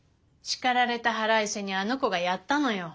叱られた腹いせにあの子がやったのよ。